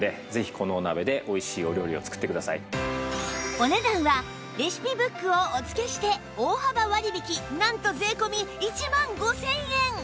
お値段はレシピブックをお付けして大幅割引なんと税込１万５０００円